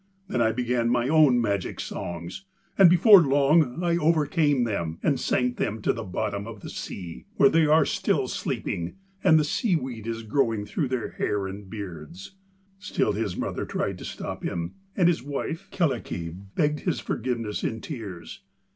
Then I began my own magic songs, and before long I overcame them and sank them to the bottom of the sea, where they are still sleeping and the seaweed is growing through their hair and beards.' Still his mother tried to stop him, and his wife Kyllikki begged his forgiveness in tears.